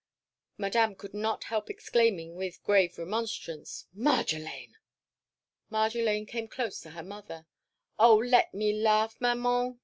Madame could not help exclaiming with grave remonstrance, "Marjolaine!" Marjolaine came close to her mother. "Oh, let me laugh, Maman!"